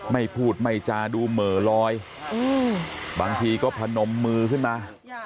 ไม่พูดไม่จาดูเหม่อลอยบางทีก็พนมมือขึ้นมา